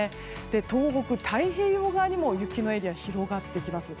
東北太平洋側にも雪のエリア広がります。